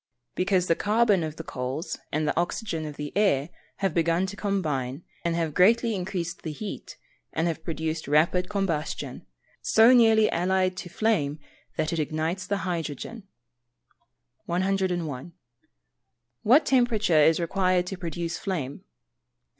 _ Because the carbon of the coals, and the oxygen of the air, have begun to combine, and have greatly increased the heat, and have produced a rapid combustion, so nearly allied to flame, that it ignites the hydrogen. 101. _What temperature is required to produce flame?